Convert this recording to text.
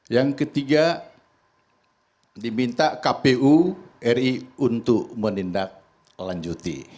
yang ketiga diminta kpu ri untuk menindak lanjuti